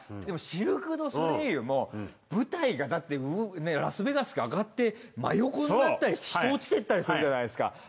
でもシルク・ドゥ・ソレイユも舞台がだってラスベガス上がって真横になったり人落ちてったりするじゃないですか。